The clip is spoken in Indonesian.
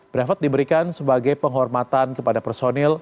brevet diberikan sebagai penghormatan kepada personil